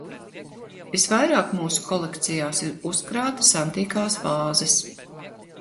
Visvairāk mūsu kolekcijās ir uzkrātas antīkās vāzes.